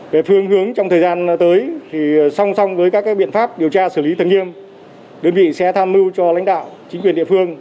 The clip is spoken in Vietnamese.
với các biện pháp điều tra xử lý thần nghiêm đơn vị sẽ tham mưu cho lãnh đạo chính quyền địa phương